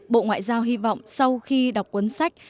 bộ ngoại giao hy vọng sau khi đọc cuốn sách